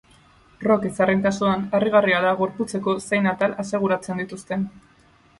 Rock izarren kasuan, harrigarria da gorputzeko zein atal aseguratzen dituzten.